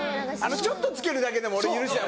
ちょっとつけるだけでも俺許せない。